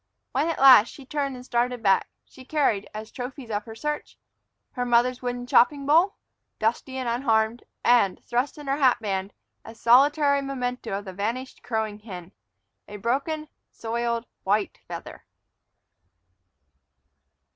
When, at last, she turned and started back, she carried, as trophies of her search, her mother's wooden chopping bowl, dusty and unharmed, and, thrust in her hat band, a solitary memento of the vanished crowing hen, a broken, soiled white feather.